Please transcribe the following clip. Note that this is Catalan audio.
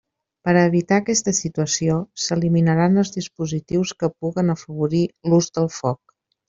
Per a evitar aquesta situació, s'eliminaran els dispositius que puguen afavorir l'ús del foc.